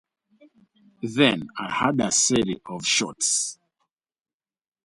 Then I heard a series of shots.